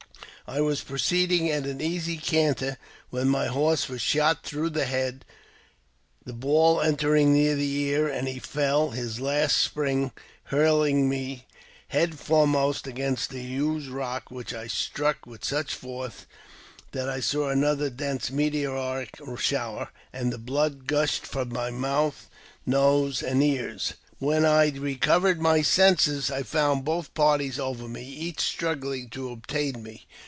I was proceeding at an easy canter, ' when my horse was shot through the head, the ball entering] near the ear, and he fell, his last spring hurling me head fore most against a huge rock, which I struck with such force that I saw another dense meteoric shower, and the blood gushed from my mouth, nose, and ears. When I recovered my senses I found both parties over me, each struggling to obtain me.